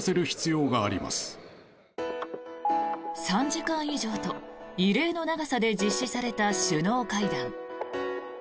３時間以上と異例の長さで実施された首脳会談。